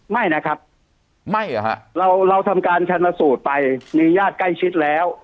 ไม่นะครับไม่เหรอฮะเราเราทำการชนสูตรไปมีญาติใกล้ชิดแล้ว